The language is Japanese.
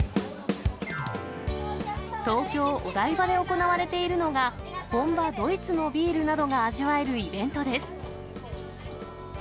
東京・お台場で行われているのが、本場、ドイツのビールなどが味わえるイベントです。